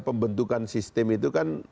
pembentukan sistem itu kan